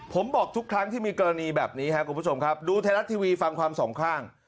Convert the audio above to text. ผมบอกทุกครั้งที่มีกรณีแบบนี้ครับคุณผู้ชมครับดูไทยรัฐทีวีฟังความสองข้าง